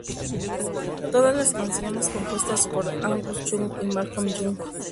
Todas las canciones compuestas por Angus Young y Malcolm Young